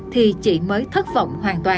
thì chị mới thất vọng hoàn toàn